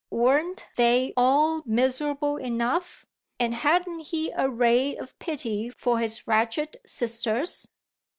Weren't they all miserable enough and hadn't he a ray of pity for his wretched sisters?